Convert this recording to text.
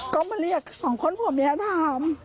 ก็มาเรียก๒คนผู้แม้ถาม